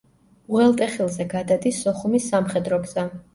უღელტეხილზე გადადის სოხუმის სამხედრო გზა.